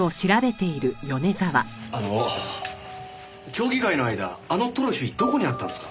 あの競技会の間あのトロフィーどこにあったんですか？